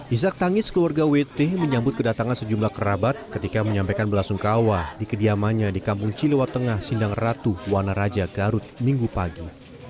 ishak tangis keluarga wt menyambut kedatangan sejumlah kerabat ketika menyampaikan belasungkawa di kediamannya di kampung cilewa tengah sindang ratu wana raja garut minggu pagi